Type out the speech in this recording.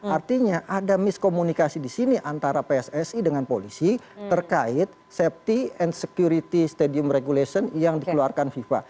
artinya ada miskomunikasi di sini antara pssi dengan polisi terkait safety and security stadium regulation yang dikeluarkan fifa